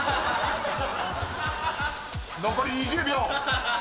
［残り２０秒］